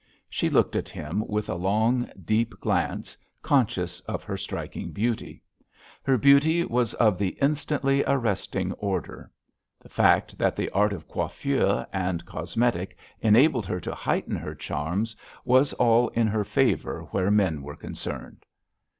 She looked at him with a long, deep glance, conscious of her striking beauty. Her beauty was of the instantly arresting order. The fact that the art of coiffeur and cosmetic enabled her to heighten her charms was all in her favour where men were concerned.